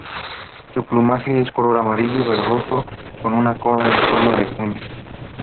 Su plumaje es color amarillo verdoso con una cola en forma de cuña.